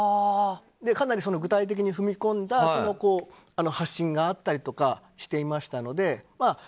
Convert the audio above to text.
かなり具体的に踏み込んだ発信があったりとかしていましたので。